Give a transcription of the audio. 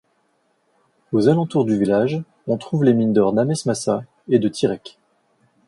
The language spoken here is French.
Aux alentours du village on trouve les mines d'or d'Amesmassa et de Tirek.